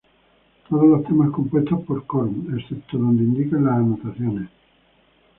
Todos los temas compuestos por Korn excepto donde indican las anotaciones.